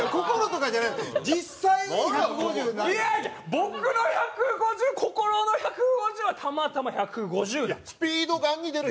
僕の１５０心の１５０はたまたま１５０だった。